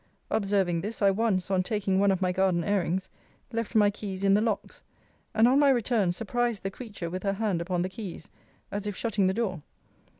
Observing this, I once, on taking one of my garden airings, left my keys in the locks: and on my return surprised the creature with her hand upon the keys, as if shutting the door.